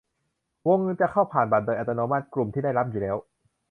วงเงินจะเข้าผ่านบัตรโดยอัตโนมัติ กลุ่มที่ได้รับอยู่แล้ว